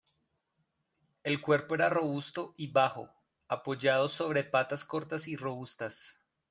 El cuerpo era robusto y bajo, apoyado sobre patas cortas y robustas.